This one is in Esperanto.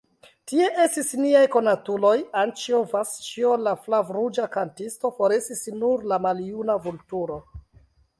Tie estis niaj konatuloj: Anĉjo, Vasĉjo, la flavruĝa kantisto; forestis nur la maljuna Vulturo.